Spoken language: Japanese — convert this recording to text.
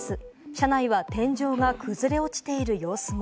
車内は天井が崩れ落ちている様子も。